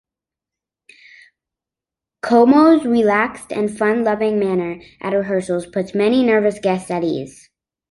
Como's relaxed and fun-loving manner at rehearsals put many nervous guests at ease.